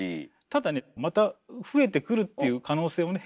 ただねまた増えてくるっていう可能性もね。